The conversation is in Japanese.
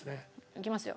いきますよ。